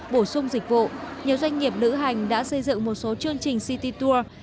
bổ sung dịch vụ nhiều doanh nghiệp lữ hành đã xây dựng một số chương trình city tour